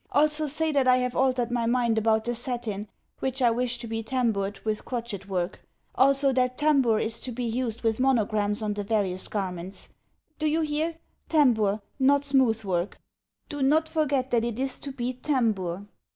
Also say that I have altered my mind about the satin, which I wish to be tamboured with crochet work; also, that tambour is to be used with monograms on the various garments. Do you hear? Tambour, not smooth work. Do not forget that it is to be tambour.